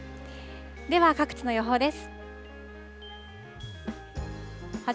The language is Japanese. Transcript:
では、各地の予報です。